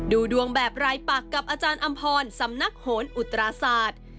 ดูดวงแบบรายปักกับอาจารย์อำพรสำนักโหนอุตราศาสตร์